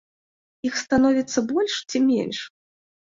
Іх становіцца больш ці менш?